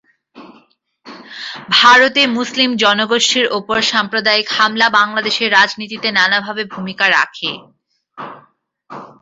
ভারতে মুসলিম জনগোষ্ঠীর ওপর সাম্প্রদায়িক হামলা বাংলাদেশের রাজনীতিতে নানাভাবে ভূমিকা রাখে।